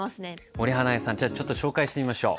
森英恵さんじゃあちょっと紹介してみましょう。